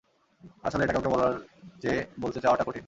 আসলে, এটা কাউকে বলার চেয়ে বলতে চাওয়াটা কঠিন।